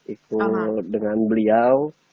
ikut dengan beliau